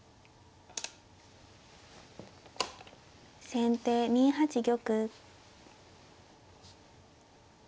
先手２八玉。